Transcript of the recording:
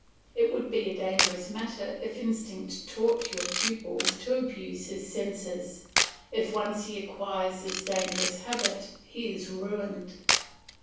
It would be a dangerous matter if instinct taught your pupil to abuse his senses; if once he acquires this dangerous habit he is ruined.